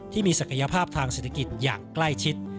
ที่มีศักยภาพทางเศรษฐกิจอย่างใกล้ชิด